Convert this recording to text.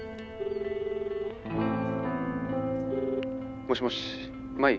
もしもし舞？